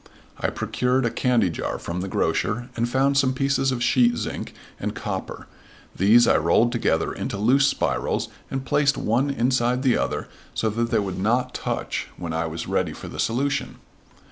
I procured a candy jar from the grocer and found some pieces of sheet zinc and copper. These I rolled together into loose spirals and placed one inside the other so that they would not touch, when I was ready for the solution.